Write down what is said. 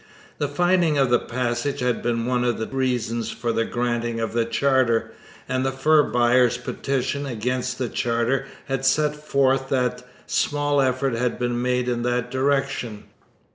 The finding of the Passage had been one of the reasons for the granting of the charter, and the fur buyers' petition against the charter had set forth that small effort had been made in that direction.